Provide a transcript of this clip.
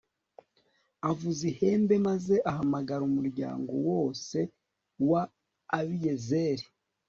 avuza ihembe maze ahamagara umuryango wose wa abiyezeri